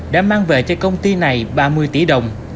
đã mang về cho công ty này ba mươi tỷ đồng